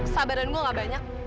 sabaran gue gak banyak